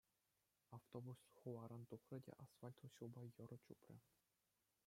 Автобус хуларан тухрӗ те асфальтлӑ ҫулпа йӑрӑ чупрӗ.